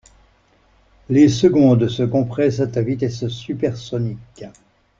Les secondes se compressent à vitesse supersonique.